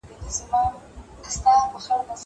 زه پرون سندري واورېدلې!